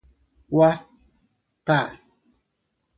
Quatá